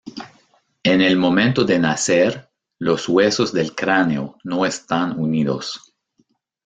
En el momento de nacer, los huesos del cráneo no están unidos.